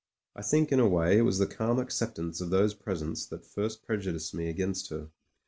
I think, in a way, it was the calm acceptance of those presents that first prejudiced me against her.